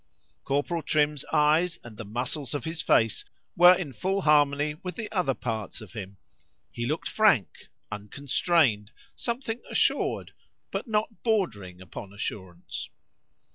Corporal Trim's eyes and the muscles of his face were in full harmony with the other parts of him;—he looked frank,—unconstrained,—something assured,—but not bordering upon assurance.